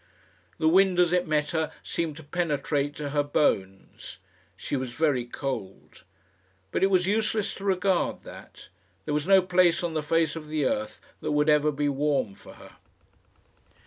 The wind, as it met her, seemed to penetrate to her bones. She was very cold! But it was useless to regard that. There was no place on the face of the earth that would ever be warm for her.